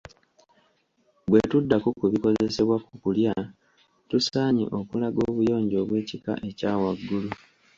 Bwe tuddako ku bikozesebwa ku kulya tusaanye okulaga obuyonjo obw’ekika ekya waggulu.